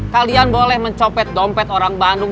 kalian boleh mencopet dompet orang bandung